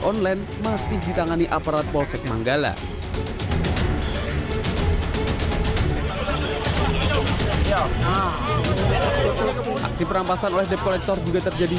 online masih ditangani aparat polsek manggala aksi perampasan oleh dep kolektor juga terjadi